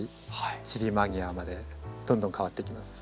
散り間際までどんどん変わってきます。